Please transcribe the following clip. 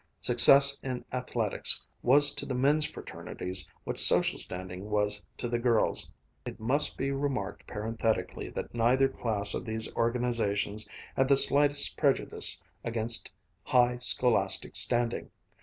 Success in athletics was to the men's fraternities what social standing was to the girls'. It must be remarked parenthetically that neither class of these organizations had the slightest prejudice against high scholastic standing.